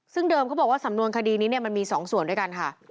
ซึ่งเดิมเขาบอกว่าสำนวนคดีนี้มันมี๒ส่วนด้วยกันค่ะ